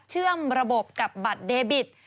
เชื่อมระบบกับบัตรเดบิต